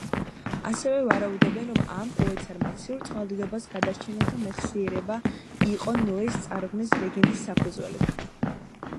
ასევე ვარაუდობენ, რომ ამ უეცარ მასიურ წყალდიდობას გადარჩენილთა მეხსიერება იყო ნოეს წარღვნის ლეგენდის საფუძველი.